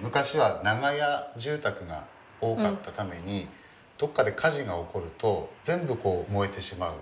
昔は長屋住宅が多かったためにどっかで火事が起こると全部こう燃えてしまう。